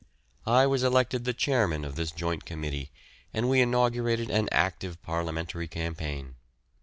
I was elected the chairman of this Joint Committee, and we inaugurated an active Parliamentary campaign.